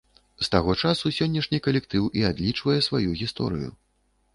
З таго часу сённяшні калектыў і адлічвае сваю гісторыю.